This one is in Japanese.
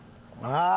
ああ。